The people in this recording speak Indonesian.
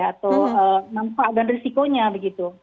atau manfaat dan risikonya begitu